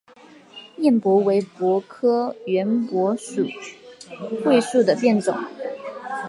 偃柏为柏科圆柏属桧树的变种。